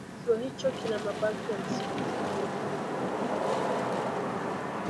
kisiwa hicho kina mabaki ya msikiti uliojengwa na Waarabu kutoka Malindi